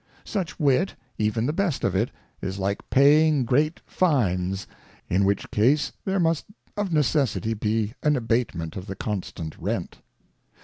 147 Such Wit, even the best of it, is like paying great Fines ; in which case there must of necessity be an abatement of the constant Rent.